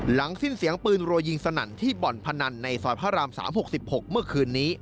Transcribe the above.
หลังสิ้นเสียงปืนโรยยิงสนั่นที่บ่อนพนันในสอยพระรามสามหกสิบหกเมื่อคืนนี้